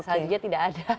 salju aja tidak ada